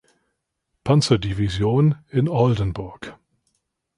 Panzerdivision in Oldenburg.